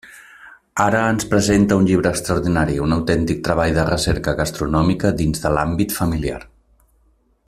Ara ens presenta un llibre extraordinari, un autèntic treball de recerca gastronòmica dins de l'àmbit familiar.